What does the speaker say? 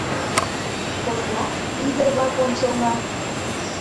Поснак — ӱдыр-влак ончылно...